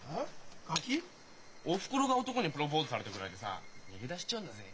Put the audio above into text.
おふくろが男にプロポーズされたぐらいでさ逃げ出しちゃうんだぜ。